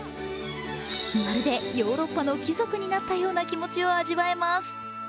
まるで、ヨーロッパの貴族になったような気持ちを味わえます。